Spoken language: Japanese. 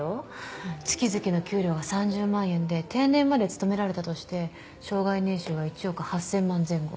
月々の給料が３０万円で定年まで勤められたとして生涯年収が１億８、０００万円前後。